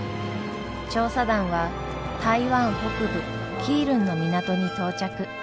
調査団は台湾北部基隆の港に到着。